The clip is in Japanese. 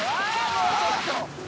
もうちょっと。